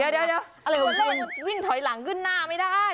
เดี๋ยววิ่งถอยหลังขึ้นหน้าไม่ได้